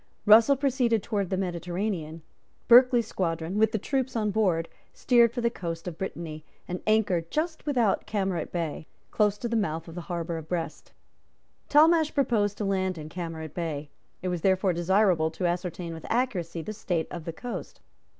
Russell proceeded towards the Mediterranean. Berkeley's squadron, with the troops on board, steered for the coast of Brittany, and anchored just without Camaret Bay, close to the mouth of the harbour of Brest. Talmash proposed to land in Camaret Bay. It was therefore desirable to ascertain with accuracy the state of the coast.